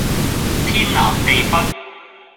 天南地北